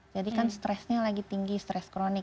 jadi kan stresnya lagi tinggi stres kronik